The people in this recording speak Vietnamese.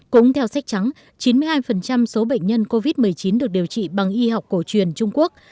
cũng theo sách trắng chín mươi hai số bệnh nhân covid một mươi chín được điều trị bằng y học cổ truyền trung quốc